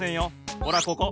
ほらここ！